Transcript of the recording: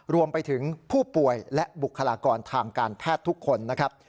รวมไปถึงผู้ป่วยและบุคลากรทางการแพทย์ทุกคนนะครับ